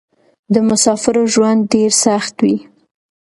د مسافرو ژوند ډېر سخت وې.